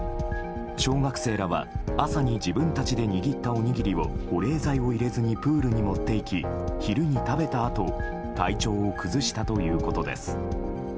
小学生らは、朝に自分たちで握ったおにぎりを保冷剤を入れずにプールに持っていき昼に食べたあと体調を崩したということです。